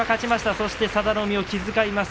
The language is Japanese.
そして佐田の海を気遣います。